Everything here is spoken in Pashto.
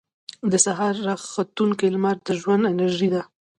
• د سهار راختونکې لمر د ژوند انرژي ده.